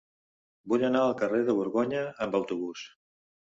Vull anar al carrer de Borgonya amb autobús.